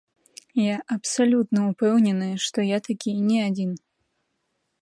Я абсалютна ўпэўнены, што я такі не адзін.